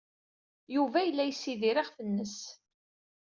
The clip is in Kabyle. Yuba yella yessidir iɣef-nnes.